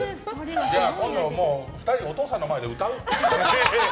今度は２人がお父さんの前で歌う？